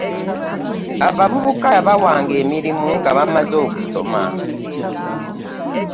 Abavubuka yabawanga emirimu nga bamaze okusoma.